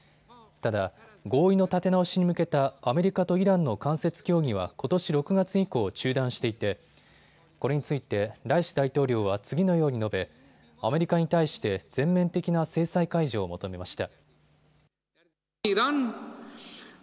ただ、合意の立て直しに向けたアメリカとイランの間接協議はことし６月以降、中断していてこれについてライシ大統領は次のように述べアメリカに対して全面的な制裁解除を求めました。